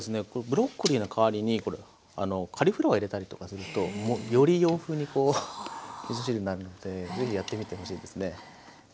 ブロッコリーの代わりにこれカリフラワー入れたりとかするとより洋風にこうみそ汁になるのでぜひやってみてほしいですね。